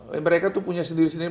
mereka itu punya sendiri sendiri